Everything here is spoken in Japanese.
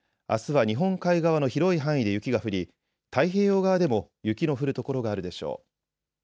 あすは日本海側の広い範囲で雪が降り、太平洋側でも雪の降る所があるでしょう。